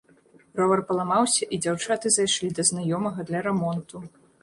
Ровар паламаўся і дзяўчаты зайшлі да знаёмага для рамонту.